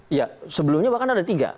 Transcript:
iya sebelumnya bahkan ada tiga